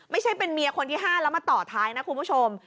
ไม่ใช่เป็นเมียคนที่๕แล้วมาต่อท้ายนะคุณผู้ชม